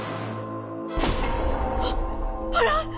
あっあらっ？